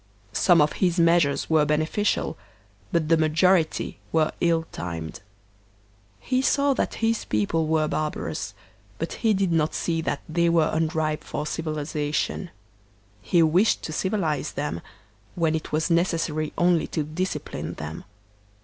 Some of his measures were beneficial, but the majority were ill timed. He saw that his people were barbarous, but he did not see that they were unripe for civilization; he wished to civilize them, when it was necessary only to discipline them.